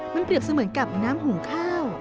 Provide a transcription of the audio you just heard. มันเปรียบเสมือนกับน้ำหุงข้าว